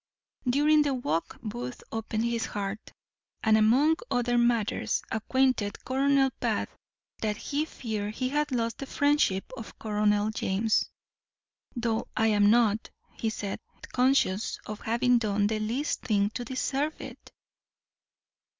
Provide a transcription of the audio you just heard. During their walk Booth opened his heart, and, among other matters, acquainted Colonel Bath that he feared he had lost the friendship of Colonel James; "though I am not," said he, "conscious of having done the least thing to deserve it."